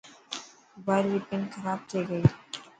موبائل ري پن کراب ٿي گئي.